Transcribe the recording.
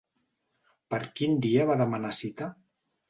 Per quin dia va demanar cita?